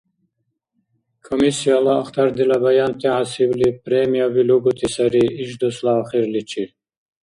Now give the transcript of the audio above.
Комиссияла ахтардила баянти хӀясибли премияби лугути сари иш дусла ахирличир.